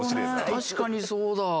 確かにそうだ！